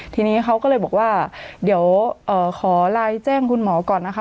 ทีนี้เขาก็เลยบอกว่าเดี๋ยวขอไลน์แจ้งคุณหมอก่อนนะคะ